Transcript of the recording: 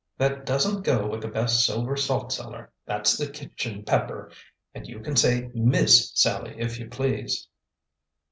"That doesn't go with the best silver salt cellar; that's the kitchen pepper. And, you can say Miss Sallie, if you please."